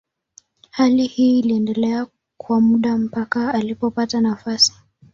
Hali hii iliendelea kwa muda mpaka alipopata nafasi.